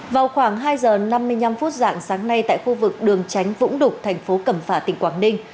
vào khoảng hai giờ năm mươi năm phút dạng sáng nay tại khu vực đường tránh vũng đục thành phố cẩm phả tỉnh quảng ninh